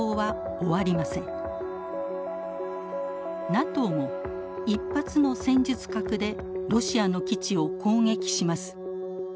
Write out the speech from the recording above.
ＮＡＴＯも１発の戦術核でロシアの基地を攻撃します。